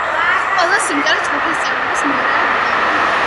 ყველა სიმღერა ჯგუფის წევრების მიერაა დაწერილი.